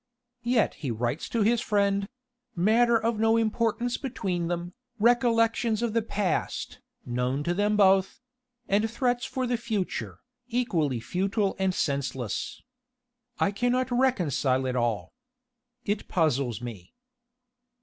Yet he writes to his friend matter of no importance between them, recollections of the past, known to them both and threats for the future, equally futile and senseless. I cannot reconcile it all. It puzzles me."